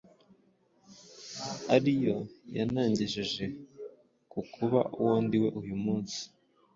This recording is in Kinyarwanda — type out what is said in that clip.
ariyo yanangejeje ku kuba uwo ndiwe uyu munsi.